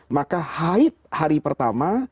maka haid hari pertama